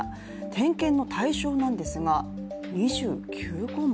点検の対象なんですが、２９項目。